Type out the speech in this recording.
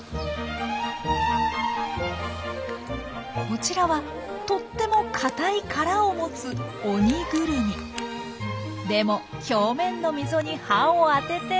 こちらはとっても硬い殻を持つでも表面の溝に歯を当てて。